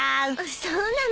そうなの。